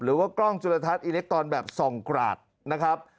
หรือว่ากล้องจุลทัศน์อิเล็กตอนแบบส่องกราดนะครับ